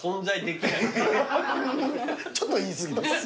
ちょっと言い過ぎです。